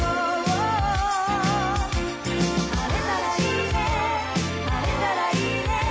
「晴れたらいいね晴れたらいいね」